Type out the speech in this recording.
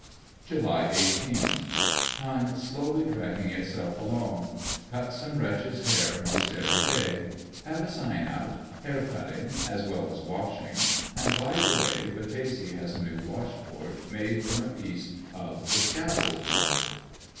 July 18, — Time slowly dragging itself along. Cut some wretchs hair most every day. Have a sign out '* Hair Cutting," as well as *' Washing," and by the way, Battese has a new wash board made from a piece of the scaffold lumber.